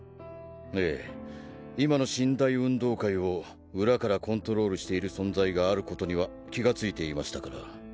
ええ今の神・大運動会を裏からコントロールしている存在がある事には気がついていましたから。